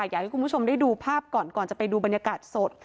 อยากให้คุณผู้ชมได้ดูภาพก่อนก่อนจะไปดูบรรยากาศสด